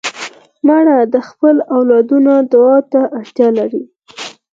مړه د خپلو اولادونو دعا ته اړتیا لري